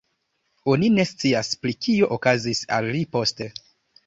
Oni ne scias pri kio okazis al li poste.